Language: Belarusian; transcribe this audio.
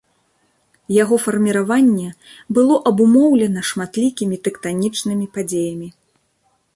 Яго фарміраванне было абумоўлена шматлікімі тэктанічнымі падзеямі.